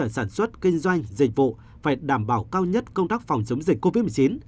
sản xuất kinh doanh dịch vụ phải đảm bảo cao nhất công tác phòng chống dịch covid một mươi chín